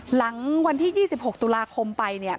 หลังวันที่๒๖ตุลาคมไป